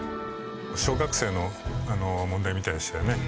小学生の問題みたいでしたよね？